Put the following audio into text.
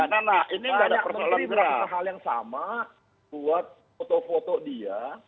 tanya menteri buat hal yang sama buat foto foto dia